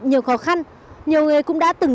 nhiều khó khăn nhiều người cũng đã từng